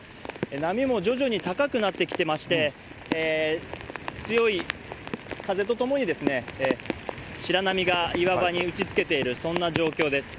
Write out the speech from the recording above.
波も徐々に高くなってきてまして、強い風とともに白波が岩場に打ちつけている、そんな状況です。